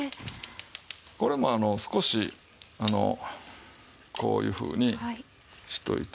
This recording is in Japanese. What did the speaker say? これも少しこういうふうにしておいて。